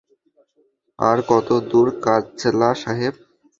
আর কত দূর কাজলা সাহেব?